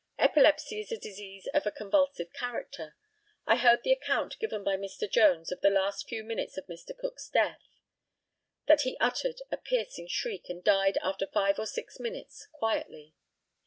Epilepsy is a disease of a convulsive character. I heard the account given by Mr. Jones of the last few minutes of Mr. Cook's death that he uttered a piercing shriek, and died after five or six minutes quietly.